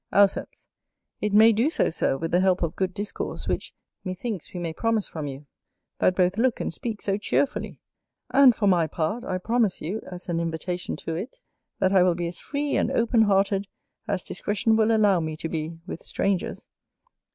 Auceps. It may do so, Sir, with the help of good discourse, which, methinks, we may promise from you, that both look and speak so cheerfully: and for my part, I promise you, as an invitation to it, that I will be as free and open hearted as discretion will allow me to be with strangers.